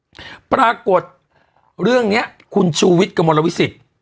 อืมปรากฏเรื่องเนี้ยคุณชูวิชกับมลวิสิต